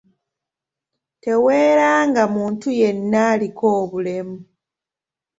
Teweeranga muntu yenna aliko obulemu.